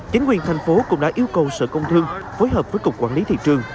chính quyền thành phố cũng đã yêu cầu sở công thương phối hợp với cục quản lý thị trường